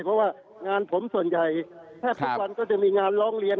เพราะว่างานผมส่วนใหญ่แทบทุกวันก็จะมีงานร้องเรียน